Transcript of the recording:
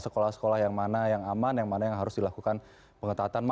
sekolah sekolah yang mana yang aman yang mana yang harus dilakukan pengetatan